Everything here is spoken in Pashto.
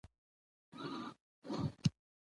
زه هیڅکله درواغ نه وایم.